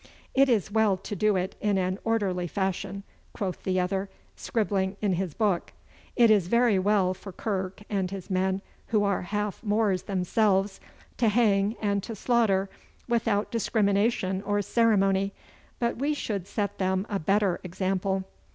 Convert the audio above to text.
'It is well to do it in an orderly fashion,' quoth the other, scribbling in his book. 'It is very well for Kirke and his men, who are half Moors themselves, to hang and to slaughter without discrimination or ceremony, but we should set them a better example.